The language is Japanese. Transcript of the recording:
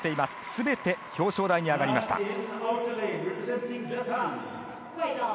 すべて、表彰台に上がりました。